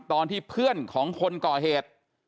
ตอนที่เพื่อนของคนก่อเหตุ